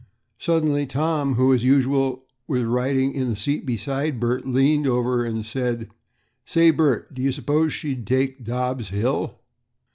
Suddenly Tom, who, as usual, was riding in the seat beside Bert, leaned over and said, "Say, Bert, do you suppose she would take Dobb's hill?"